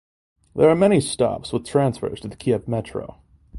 There are many stops with transfers to the Kyiv Metro.